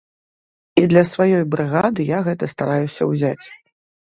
І для сваёй брыгады я гэта стараюся ўзяць.